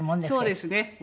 そうですね。